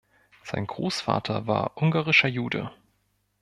Sein Großvater war ungarischer Jude.